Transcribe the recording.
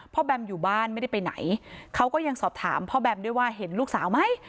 แบมอยู่บ้านไม่ได้ไปไหนเขาก็ยังสอบถามพ่อแบมด้วยว่าเห็นลูกสาวไหม